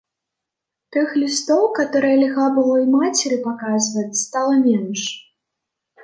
Тых лістоў, каторыя льга было й мацеры паказваць, стала менш.